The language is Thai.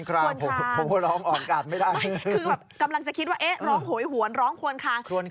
คือกำลังจะคิดว่าไร้ร้องโหยหวนร้องขวนข้าง